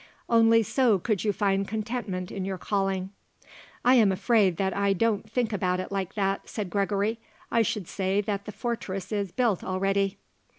Only so could you find contentment in your calling." "I'm afraid that I don't think about it like that," said Gregory. "I should say that the fortress is built already."